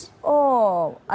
oh ada semua